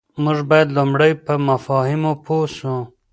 موږ بايد لومړی په مفاهيمو پوه سو.